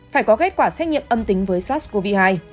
phải có kết quả xét nghiệm âm tính với sars cov hai